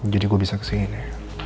jadi gue bisa kesini